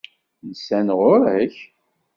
Nsan ɣur-k?